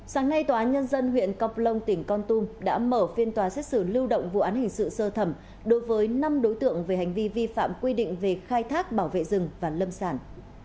sáng nay tòa án nhân dân huyện croplông tỉnh con tum đã mở phiên tòa xét xử lưu động vụ án hình sự sơ thẩm đối với năm đối tượng về hành vi vi phạm quy định về khai thác bảo vệ rừng và lâm sản